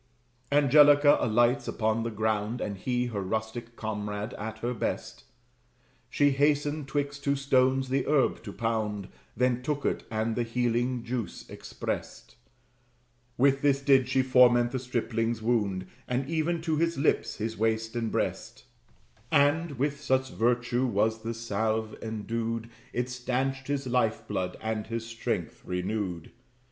Angelica alights upon the ground, And he, her rustic comrade, at her best. She hastened 'twixt two stones the herb to pound, Then took it, and the healing juice exprest: With this did she foment the stripling's wound, And even to the hips, his waist and breast; And (with such virtue was the salve endued) It stanched his life blood, and his strength renewed.